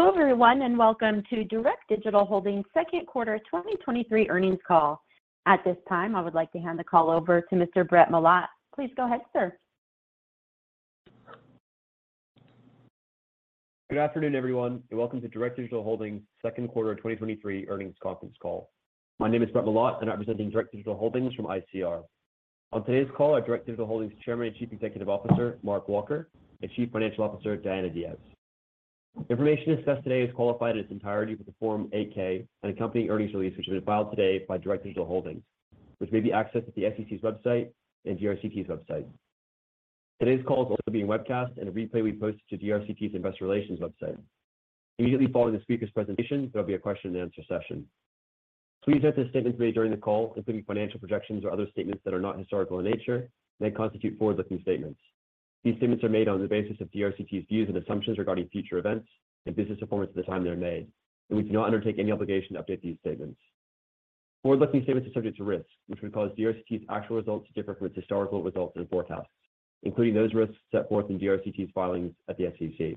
Hello, everyone, welcome to Direct Digital Holdings Q2 2023 Earnings Call. At this time, I would like to hand the call over to Mr. Brett Milotte. Please go ahead, sir. Good afternoon, everyone, and welcome to Direct Digital Holdings Q2 2023 Earnings Conference Call. My name is Brett Milotte, and I'm presenting Direct Digital Holdings from ICR. On today's call are Direct Digital Holdings Chairman and Chief Executive Officer, Mark Walker, and Chief Financial Officer, Diana Diaz. Information discussed today is qualified in its entirety with the Form 8-K and accompanying earnings release, which has been filed today by Direct Digital Holdings, which may be accessed at the SEC's website and DRCT's website. Today's call is also being webcast and a replay will be posted to DRCT's Investor Relations website. Immediately following the speaker's presentation, there'll be a question and answer session. Please note that the statements made during the call, including financial projections or other statements that are not historical in nature, may constitute forward-looking statements. These statements are made on the basis of DRCT's views and assumptions regarding future events and business performance at the time they're made. We do not undertake any obligation to update these statements. Forward-looking statements are subject to risks, which may cause DRCT's actual results to differ from its historical results and forecasts, including those risks set forth in DRCT's filings at the SEC.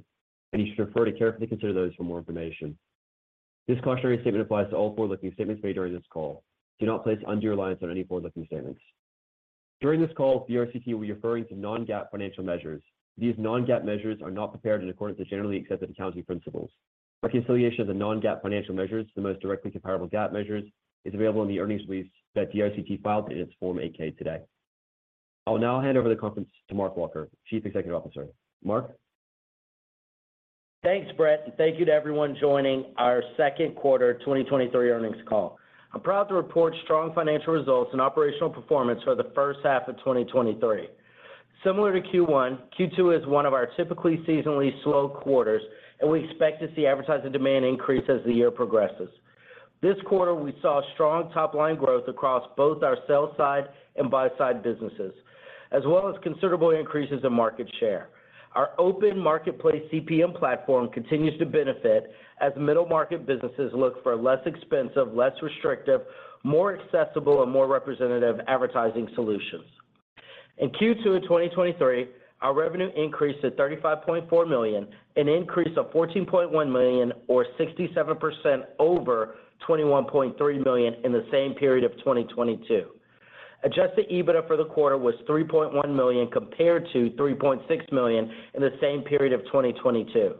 You should refer to carefully consider those for more information. This cautionary statement applies to all forward-looking statements made during this call. Do not place undue reliance on any forward-looking statements. During this call, DRCT will be referring to non-GAAP financial measures. These non-GAAP measures are not prepared in accordance with generally accepted accounting principles. Reconciliation of the non-GAAP financial measures, the most directly comparable GAAP measures, is available in the earnings release that DRCT filed in its Form 8-K today. I'll now hand over the conference to Mark Walker, Chief Executive Officer. Mark? Thanks, Brett, and thank you to everyone joining our Q2 2023 earnings call. I'm proud to report strong financial results and operational performance for the first half of 2023. Similar to Q1, Q2 is one of our typically seasonally slow quarters, and we expect to see advertising demand increase as the year progresses. This quarter, we saw strong top-line growth across both our sell-side and buy-side businesses, as well as considerable increases in market share. Our open marketplace CPM platform continues to benefit as middle-market businesses look for less expensive, less restrictive, more accessible, and more representative advertising solutions. In Q2 of 2023, our revenue increased to $35.4 million, an increase of $14.1 million or 67% over $21.3 million in the same period of 2022. Adjusted EBITDA for the quarter was $3.1 million compared to $3.6 million in the same period of 2022.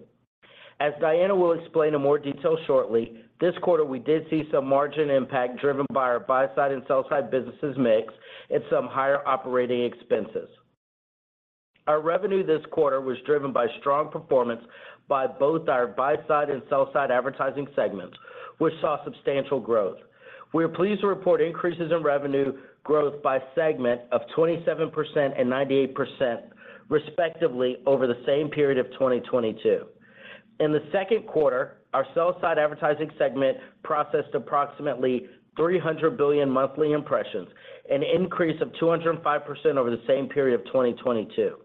As Diana will explain in more detail shortly, this quarter, we did see some margin impact driven by our buy side and sell side businesses mix and some higher operating expenses. Our revenue this quarter was driven by strong performance by both our buy side and sell side advertising segments, which saw substantial growth. We are pleased to report increases in revenue growth by segment of 27% and 98%, respectively, over the same period of 2022. In the Q2, our sell side advertising segment processed approximately 300 billion monthly impressions, an increase of 205% over the same period of 2022.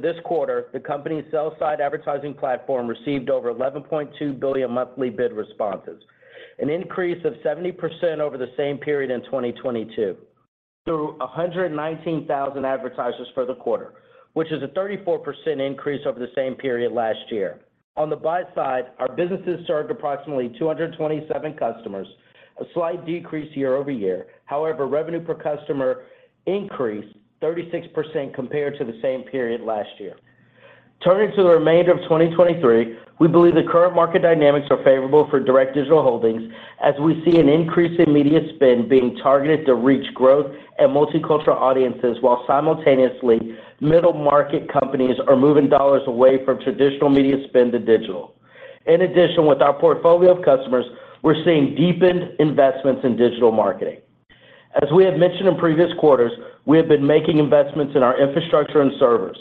This quarter, the company's Sell-Side Platform received over 11.2 billion monthly bid responses, an increase of 70% over the same period in 2022. Through 119,000 advertisers for the quarter, which is a 34% increase over the same period last year. On the buy side, our businesses served approximately 227 customers, a slight decrease year-over-year. Revenue per customer increased 36% compared to the same period last year. Turning to the remainder of 2023, we believe the current market dynamics are favorable for Direct Digital Holdings as we see an increase in media spend being targeted to reach growth and multicultural audiences, while simultaneously, middle-market companies are moving dollars away from traditional media spend to digital. With our portfolio of customers, we're seeing deepened investments in digital marketing. As we have mentioned in previous quarters, we have been making investments in our infrastructure and servers,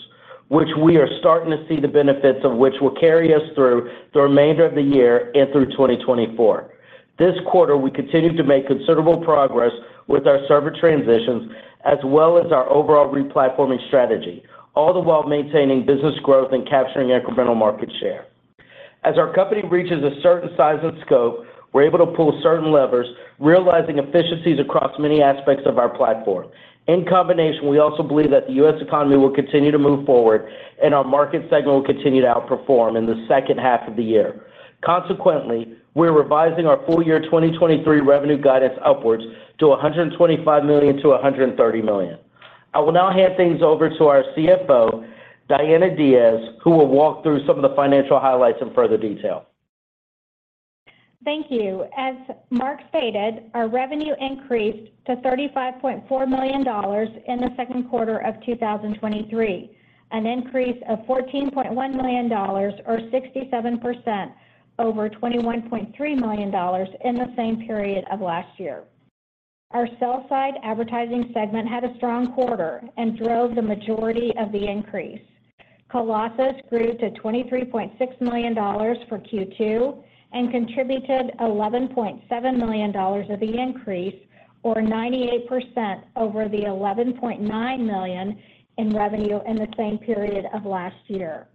which we are starting to see the benefits of which will carry us through the remainder of the year and through 2024. This quarter, we continued to make considerable progress with our server transitions, as well as our overall re-platforming strategy, all the while maintaining business growth and capturing incremental market share. As our company reaches a certain size and scope, we're able to pull certain levers, realizing efficiencies across many aspects of our platform. In combination, we also believe that the U.S. economy will continue to move forward, and our market segment will continue to outperform in the second half of the year. Consequently, we're revising our full year 2023 revenue guidance upwards to $125 million-$130 million. I will now hand things over to our CFO, Diana Diaz, who will walk through some of the financial highlights in further detail. Thank you. As Mark stated, our revenue increased to $35.4 million in the Q2 of 2023, an increase of $14.1 million or 67% over $21.3 million in the same period of last year. Our sell-side advertising segment had a strong quarter and drove the majority of the increase. Colossus grew to $23.6 million for Q2 and contributed $11.7 million of the increase, or 98% over the $11.9 million in revenue in the same period of last year.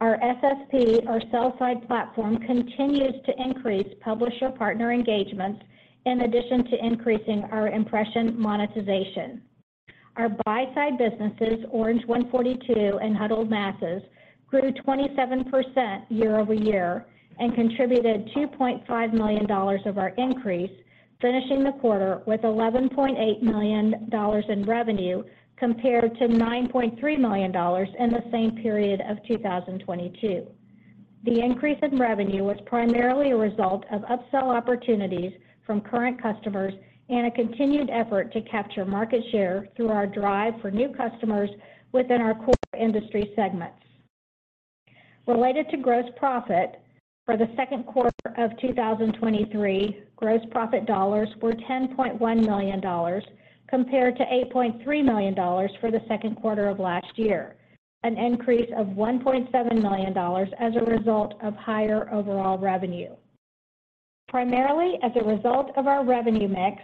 Our SSP, our Sell-Side Platform, continues to increase publisher partner engagement in addition to increasing our impression monetization.... Our buy-side businesses, Orange142 and Huddled Masses, grew 27% year-over-year and contributed $2.5 million of our increase, finishing the quarter with $11.8 million in revenue compared to $9.3 million in the same period of 2022. The increase in revenue was primarily a result of upsell opportunities from current customers and a continued effort to capture market share through our drive for new customers within our core industry segments. Related to gross profit, for the Q2 of 2023, gross profit dollars were $10.1 million, compared to $8.3 million for the Q2 of last year, an increase of $1.7 million as a result of higher overall revenue. Primarily, as a result of our revenue mix,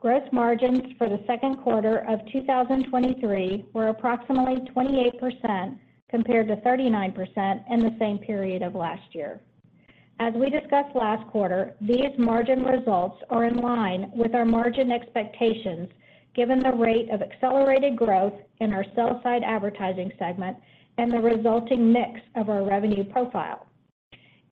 gross margins for the Q2 of 2023 were approximately 28%, compared to 39% in the same period of last year. As we discussed last quarter, these margin results are in line with our margin expectations, given the rate of accelerated growth in our sell-side advertising segment and the resulting mix of our revenue profile.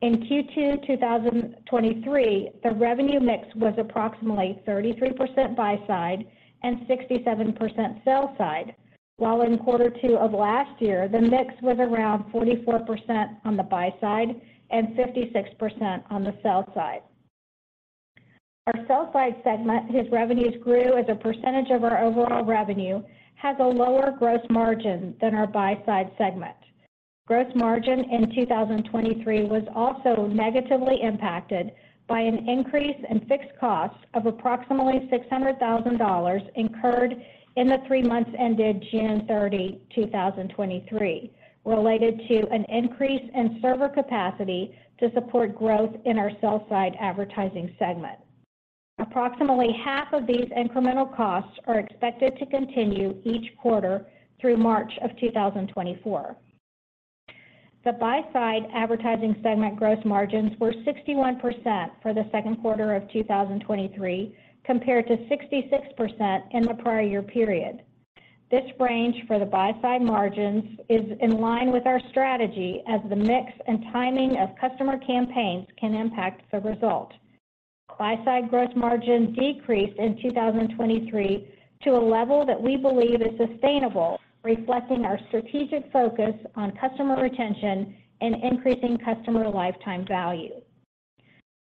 In Q2 2023, the revenue mix was approximately 33% buy-side and 67% sell-side, while in quarter two of last year, the mix was around 44% on the buy-side and 56% on the sell-side. Our sell-side segment, whose revenues grew as a percentage of our overall revenue, has a lower gross margin than our buy-side segment. Gross margin in 2023 was also negatively impacted by an increase in fixed costs of approximately $600,000 incurred in the three months ended June 30, 2023, related to an increase in server capacity to support growth in our sell-side advertising segment. Approximately half of these incremental costs are expected to continue each quarter through March of 2024. The buy-side advertising segment gross margins were 61% for the Q2 of 2023, compared to 66% in the prior year period. This range for the buy-side margins is in line with our strategy, as the mix and timing of customer campaigns can impact the result. Buy-side gross margin decreased in 2023 to a level that we believe is sustainable, reflecting our strategic focus on customer retention and increasing customer lifetime value.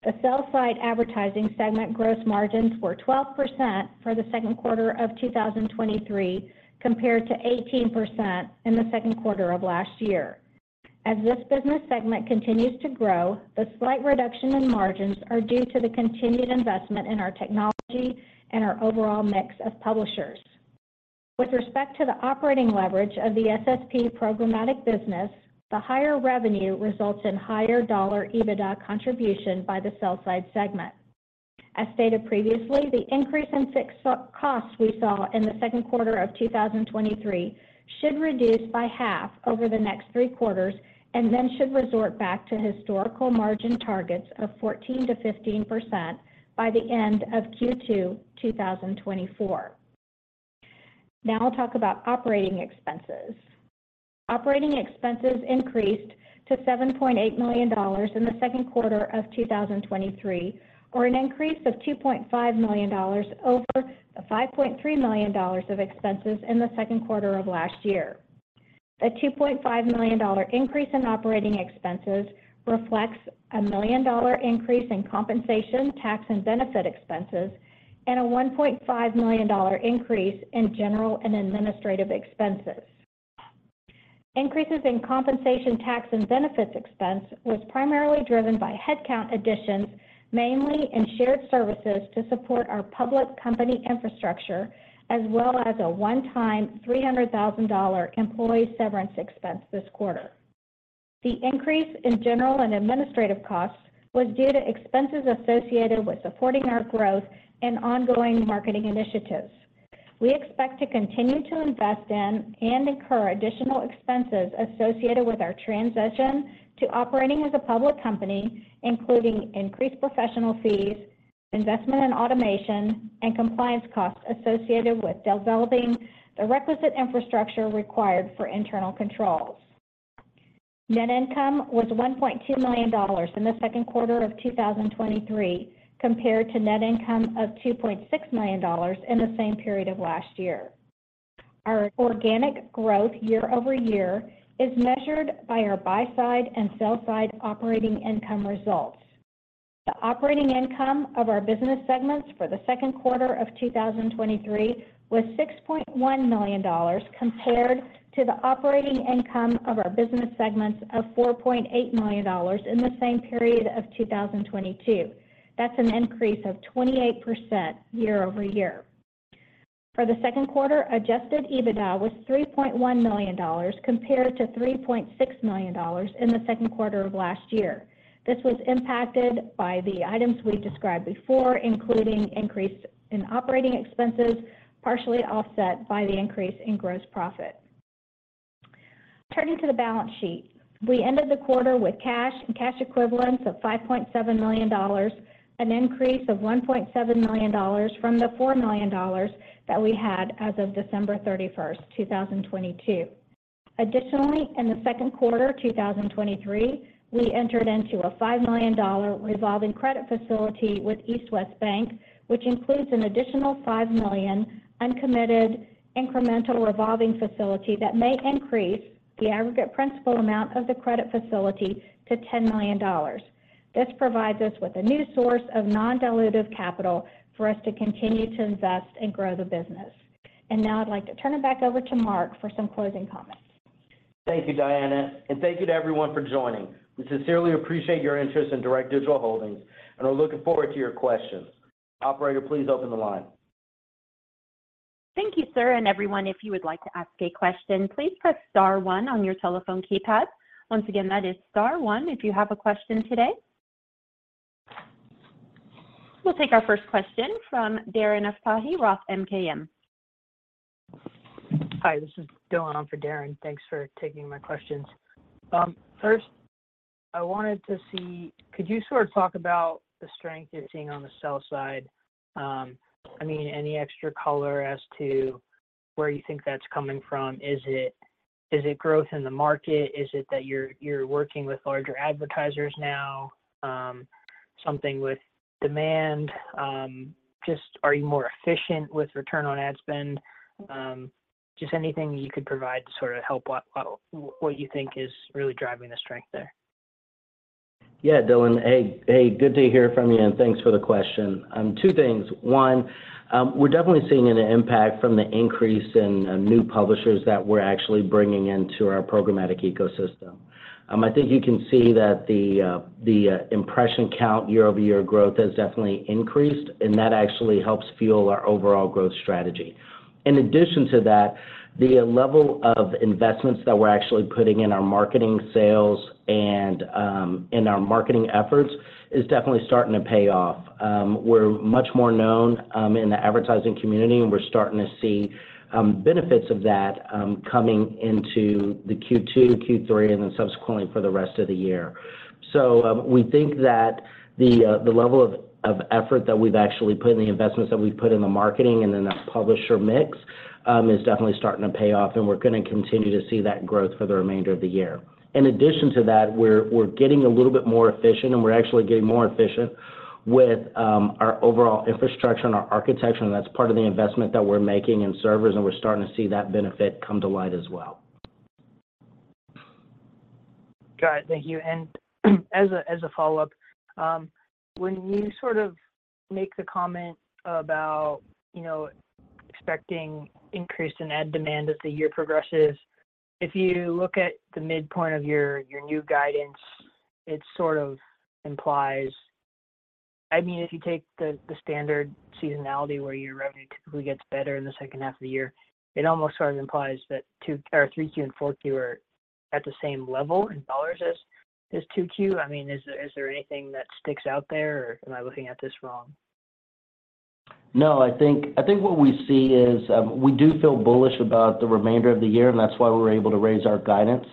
The sell-side advertising segment gross margins were 12% for the Q2 of 2023, compared to 18% in the Q2 of last year. As this business segment continues to grow, the slight reduction in margins are due to the continued investment in our technology and our overall mix of publishers. With respect to the operating leverage of the SSP programmatic business, the higher revenue results in higher dollar EBITDA contribution by the sell-side segment. As stated previously, the increase in fixed costs we saw in the Q2 of 2023 should reduce by half over the next 3 quarters and then should resort back to historical margin targets of 14%-15% by the end of Q2, 2024. I'll talk about operating expenses. Operating expenses increased to $7.8 million in the Q2 of 2023, or an increase of $2.5 million over the $5.3 million of expenses in the Q2 of last year. The $2.5 million increase in operating expenses reflects a $1 million increase in compensation, tax, and benefit expenses, and a $1.5 million increase in general and administrative expenses. Increases in compensation, tax, and benefits expense was primarily driven by headcount additions, mainly in shared services to support our public company infrastructure, as well as a one-time $300,000 employee severance expense this quarter. The increase in general and administrative costs was due to expenses associated with supporting our growth and ongoing marketing initiatives. We expect to continue to invest in and incur additional expenses associated with our transition to operating as a public company, including increased professional fees, investment in automation, and compliance costs associated with developing the requisite infrastructure required for internal controls. Net income was $1.2 million in the Q2 of 2023, compared to net income of $2.6 million in the same period of last year. Our organic growth year-over-year is measured by our buy-side and sell-side operating income results. The operating income of our business segments for the Q2 of 2023 was $6.1 million, compared to the operating income of our business segments of $4.8 million in the same period of 2022. That's an increase of 28% year-over-year. For the Q2, Adjusted EBITDA was $3.1 million, compared to $3.6 million in the Q2 of last year. This was impacted by the items we described before, including increase in operating expenses, partially offset by the increase in gross profit. Turning to the balance sheet. We ended the quarter with cash and cash equivalents of $5.7 million, an increase of $1.7 million from the $4 million that we had as of December 31, 2022. Additionally, in the Q2, 2023, we entered into a $5 million revolving credit facility with East West Bank, which includes an additional $5 million uncommitted incremental revolving facility that may increase the aggregate principal amount of the credit facility to $10 million. This provides us with a new source of non-dilutive capital for us to continue to invest and grow the business. Now I'd like to turn it back over to Mark for some closing comments. Thank you, Diana, and thank you to everyone for joining. We sincerely appreciate your interest in Direct Digital Holdings, and are looking forward to your questions. Operator, please open the line. Thank you, sir. Everyone, if you would like to ask a question, please press star 1 on your telephone keypad. Once again, that is star 1 if you have a question today. We'll take our first question from Darren Aftahi, Roth MKM. Hi, this is Dylan in for Darren. Thanks for taking my questions. First, I wanted to see, could you sort of talk about the strength you're seeing on the sell side? I mean, any extra color as to where you think that's coming from? Is it, is it growth in the market? Is it that you're, you're working with larger advertisers now, something with demand? Just are you more efficient with return on ad spend? Just anything you could provide to sort of help what, what, what you think is really driving the strength there? Yeah, Dylan. Hey, hey, good to hear from you, thanks for the question. 2 things: 1, we're definitely seeing an impact from the increase in new publishers that we're actually bringing into our programmatic ecosystem. I think you can see that the impression count year-over-year growth has definitely increased, that actually helps fuel our overall growth strategy. In addition to that, the level of investments that we're actually putting in our marketing sales and in our marketing efforts is definitely starting to pay off. We're much more known in the advertising community, we're starting to see benefits of that coming into the Q2, Q3, then subsequently for the rest of the year. We think that the level of effort that we've actually put and the investments that we've put in the marketing and in that publisher mix is definitely starting to pay off, and we're gonna continue to see that growth for the remainder of the year. In addition to that, we're getting a little bit more efficient, and we're actually getting more efficient with our overall infrastructure and our architecture, and that's part of the investment that we're making in servers, and we're starting to see that benefit come to light as well. Got it. Thank you. As a, as a follow-up, when you sort of make the comment about, you know, expecting increase in ad demand as the year progresses, if you look at the midpoint of your, your new guidance, it sort of implies, I mean, if you take the, the standard seasonality, where your revenue typically gets better in the second half of the year, it almost sort of implies that 2Q or 3Q and 4Q are at the same level in dollars as, as 2Q. I mean, is there, is there anything that sticks out there, or am I looking at this wrong? No, I think, I think what we see is, we do feel bullish about the remainder of the year, and that's why we were able to raise our guidance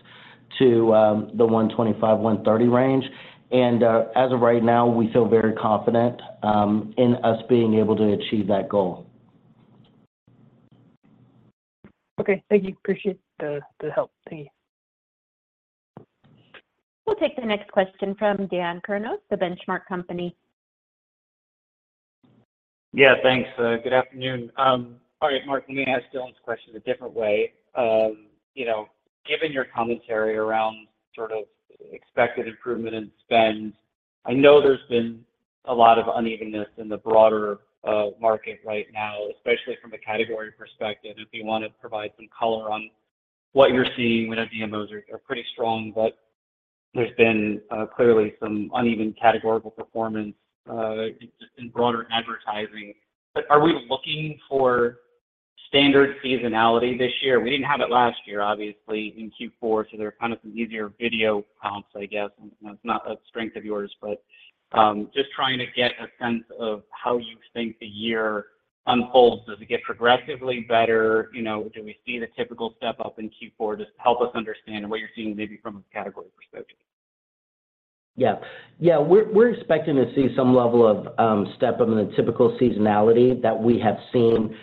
to, the $125 million-$130 million range. As of right now, we feel very confident, in us being able to achieve that goal. Okay. Thank you. Appreciate the, the help, see. We'll take the next question from Dan Kurnos, The Benchmark Company. Yeah, thanks. Good afternoon. All right, Mark, let me ask Dylan's question a different way. You know, given your commentary around sort of expected improvement in spend, I know there's been a lot of unevenness in the broader market right now, especially from a category perspective. If you want to provide some color on what you're seeing, we know DMOs are pretty strong, but there's been clearly some uneven categorical performance just in broader advertising. Are we looking for standard seasonality this year? We didn't have it last year, obviously, in Q4, so there are kind of some easier video comps, I guess. I know it's not a strength of yours, but just trying to get a sense of how you think the year unfolds. Does it get progressively better? You know, do we see the typical step up in Q4? Just help us understand what you're seeing, maybe from a category perspective. Yeah. Yeah, we're, we're expecting to see some level of step up in the typical seasonality that we have seen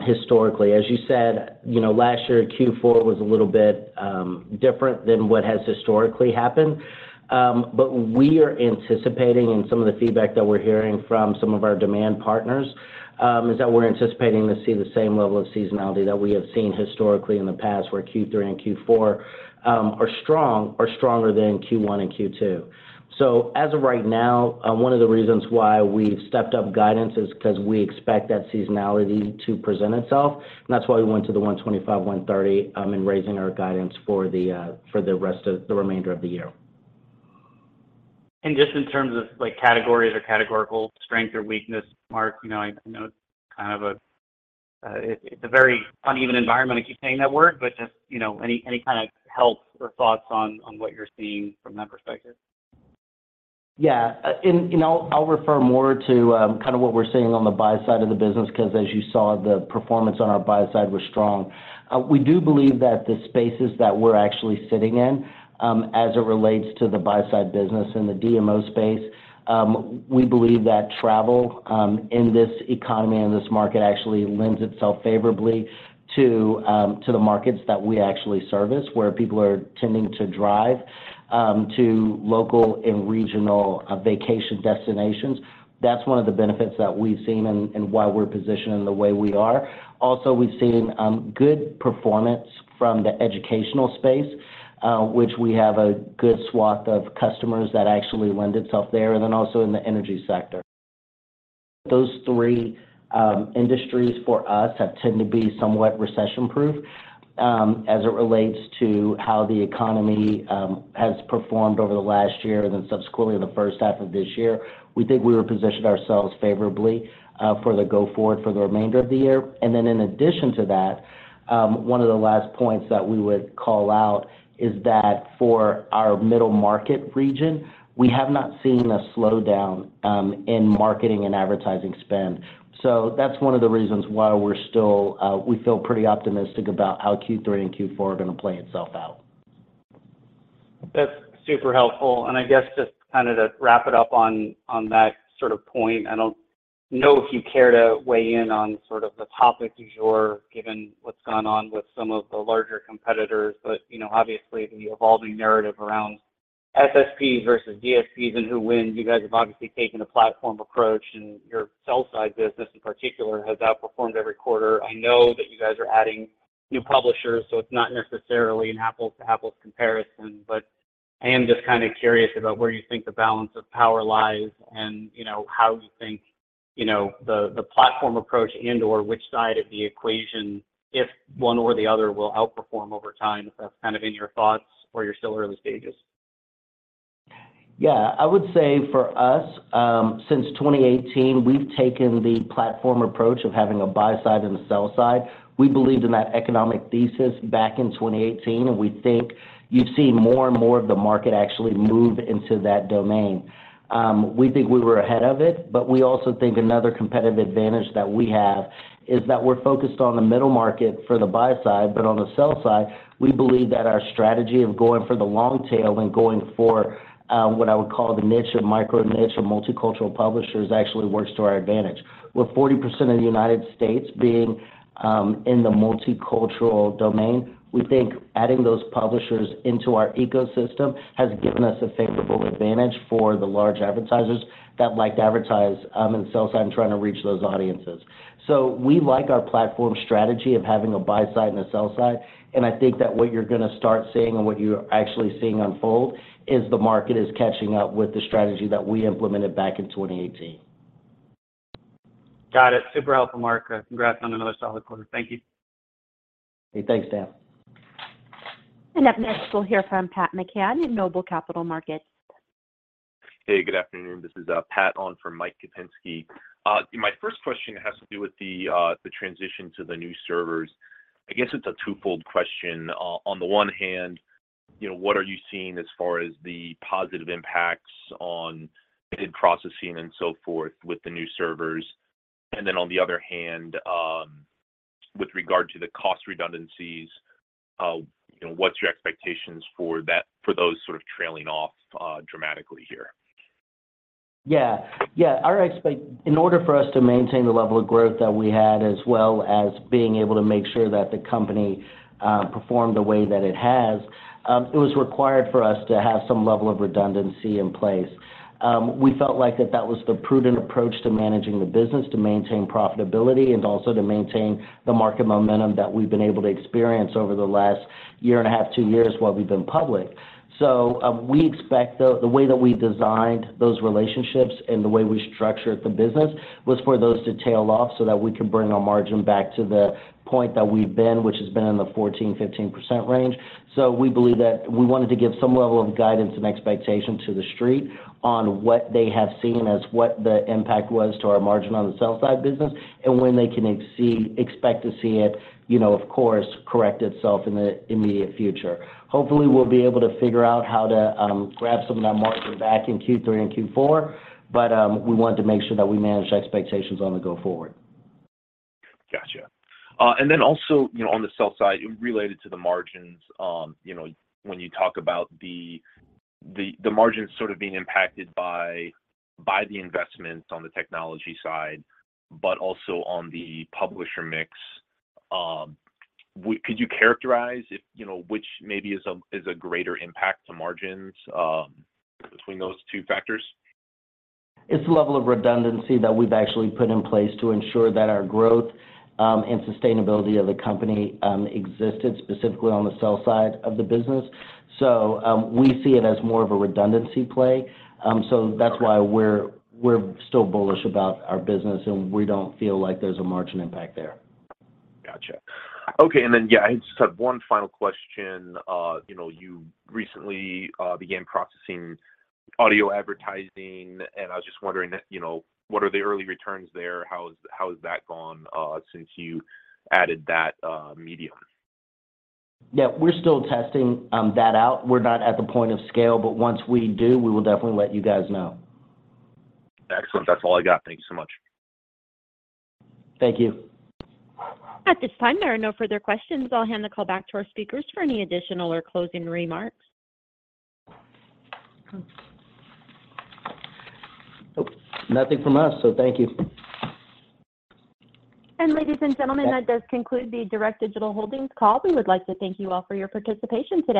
historically. As you said, you know, last year, Q4 was a little bit different than what has historically happened. But we are anticipating, and some of the feedback that we're hearing from some of our demand partners, is that we're anticipating to see the same level of seasonality that we have seen historically in the past, where Q3 and Q4 are strong or stronger than Q1 and Q2. As of right now, one of the reasons why we've stepped up guidance is 'cause we expect that seasonality to present itself. That's why we went to the $125-$130 in raising our guidance for the rest of the remainder of the year. Just in terms of, like, categories or categorical strength or weakness, Mark, you know, I know it's kind of a, it's a very uneven environment. I keep saying that word, but just, you know, any, any kind of help or thoughts on, on what you're seeing from that perspective? You know, I'll refer more to kind of what we're seeing on the buy-side of the business, 'cause as you saw, the performance on our buy-side was strong. We do believe that the spaces that we're actually sitting in, as it relates to the buy-side business and the DMO space, we believe that travel in this economy and this market actually lends itself favorably to the markets that we actually service, where people are tending to drive to local and regional vacation destinations. That's one of the benefits that we've seen and, and why we're positioned in the way we are. Also, we've seen good performance from the educational space, which we have a good swath of customers that actually lend itself there, and then also in the energy sector. Those 3 industries for us have tended to be somewhat recession-proof as it relates to how the economy has performed over the last year and subsequently in the first half of this year. We think we were positioned ourselves favorably for the go forward for the remainder of the year. In addition to that, 1 of the last points that we would call out is that for our middle market region, we have not seen a slowdown in marketing and advertising spend. That's 1 of the reasons why we're still we feel pretty optimistic about how Q3 and Q4 are gonna play itself out. That's super helpful. I guess just kind of to wrap it up on, on that sort of point, I don't know if you care to weigh in on sort of the topic du jour, given what's gone on with some of the larger competitors, but, you know, obviously, the evolving narrative around SSP versus DSPs and who wins. You guys have obviously taken a platform approach, and your sell-side business, in particular, has outperformed every quarter. I know that you guys are adding new publishers, so it's not necessarily an apples-to-apples comparison, but I am just kind of curious about where you think the balance of power lies, and, you know, how you think, you know, the, the platform approach and/or which side of the equation, if one or the other, will outperform over time. If that's kind of in your thoughts or you're still early stages? Yeah. I would say for us, since 2018, we've taken the platform approach of having a buy side and a sell side. We believed in that economic thesis back in 2018, and we think you've seen more and more of the market actually move into that domain. We think we were ahead of it, but we also think another competitive advantage that we have is that we're focused on the middle market for the buy side, but on the sell side, we believe that our strategy of going for the long tail and going for, what I would call the niche of micro-niche or multicultural publishers actually works to our advantage. With 40% of the United States being in the multicultural domain, we think adding those publishers into our ecosystem has given us a favorable advantage for the large advertisers that like to advertise in the sell side and trying to reach those audiences. We like our platform strategy of having a buy side and a sell side, and I think that what you're gonna start seeing and what you're actually seeing unfold is the market is catching up with the strategy that we implemented back in 2018. Got it. Super helpful, Mark. Congrats on another solid quarter. Thank you. Hey, thanks, Dan. Up next, we'll hear from Pat McCann in Noble Capital Markets. Hey, good afternoon. This is Pat, on for Michael Kupinski. My first question has to do with the transition to the new servers. I guess it's a twofold question. On the one hand, you know, what are you seeing as far as the positive impacts on processing and so forth with the new servers? Then on the other hand, with regard to the cost redundancies, you know, what's your expectations for those sort of trailing off dramatically here? Yeah. In order for us to maintain the level of growth that we had, as well as being able to make sure that the company performed the way that it has, it was required for us to have some level of redundancy in place. We felt like that that was the prudent approach to managing the business, to maintain profitability, and also to maintain the market momentum that we've been able to experience over the last year and a half, two years, while we've been public. We expect, though, the way that we designed those relationships and the way we structured the business was for those to tail off so that we can bring our margin back to the point that we've been, which has been in the 14%-15% range. We believe that we wanted to give some level of guidance and expectation to the street on what they have seen as what the impact was to our margin on the sell-side business, and when they can expect to see it, you know, of course, correct itself in the immediate future. Hopefully, we'll be able to figure how to grab some of that margin back in Q3 and Q4, but we wanted to make sure that we managed expectations on the go forward. Gotcha. Then also, you know, on the sell-side, related to the margins, you know, when you talk about the, the, the margins sort of being impacted by, by the investments on the technology side, but also on the publisher mix, could you characterize if, you know, which maybe is a, is a greater impact to margins, between those two factors? It's the level of redundancy that we've actually put in place to ensure that our growth, and sustainability of the company, existed, specifically on the sell side of the business. We see it as more of a redundancy play. That's why we're, we're still bullish about our business, and we don't feel like there's a margin impact there. Gotcha. Okay, and then, yeah, I just have one final question. You know, you recently, began processing audio advertising. I was just wondering, you know, what are the early returns there? How is, how has that gone, since you added that, medium? Yeah, we're still testing that out. We're not at the point of scale, but once we do, we will definitely let you guys know. Excellent. That's all I got. Thank you so much. Thank you. At this time, there are no further questions. I'll hand the call back to our speakers for any additional or closing remarks. Nope. Nothing from us, so thank you. Ladies and gentlemen, that does conclude the Direct Digital Holdings call. We would like to thank you all for your participation today.